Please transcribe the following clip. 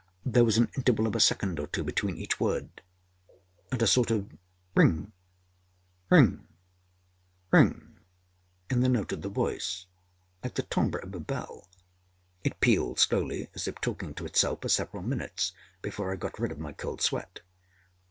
There was an interval of a second or two between each word, and a sort of âring, ring, ring,â in the note of the voice, like the timbre of a bell. It pealed slowly, as if talking to itself, for several minutes before I got rid of my cold sweat.